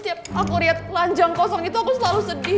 tiap aku liat lanjang kosong itu aku selalu sedih